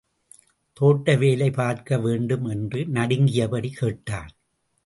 தோட்டவேலை பார்க்க வேண்டுமே! என்று நடுங்கியபடி கேட்டான்.